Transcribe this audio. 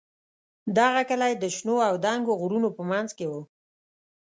دغه کلی د شنو او دنګو غرونو په منځ کې و.